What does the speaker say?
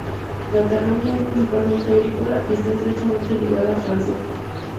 Cataluña es principalmente agrícola y está estrechamente ligada a Francia.